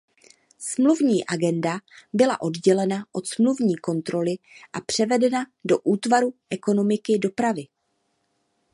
Smluvní agenda byla oddělena od smluvní kontroly a převedena do útvaru ekonomiky dopravy.